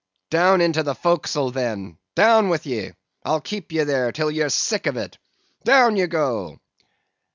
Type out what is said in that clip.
"'Down into the forecastle then, down with ye, I'll keep ye there till ye're sick of it. Down ye go.